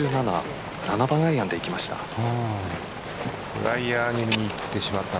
７番アイアンでいきました。